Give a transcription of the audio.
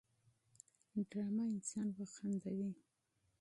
ډرامه انسان وخندوي